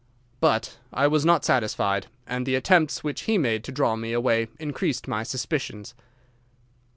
"'But I was not satisfied, and the attempts which he made to draw me away increased my suspicions.